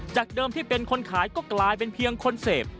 เดิมที่เป็นคนขายก็กลายเป็นเพียงคนเสพ